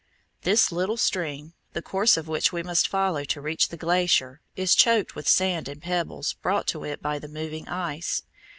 This little stream, the course of which we must follow to reach the glacier, is choked with sand and pebbles brought to it by the moving ice.